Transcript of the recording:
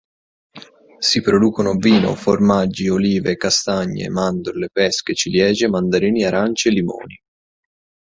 Si producono vino, formaggi, olive, castagne, mandorle, pesche, ciliegie, mandarini, arance, limoni.